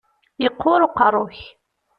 Yeqqur uqerru-k.